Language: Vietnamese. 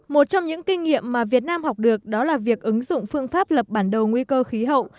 một trong những kinh nghiệm mà việt nam học được đó là việc ứng dụng phương pháp lập bản đầu nguy cơ khí hậu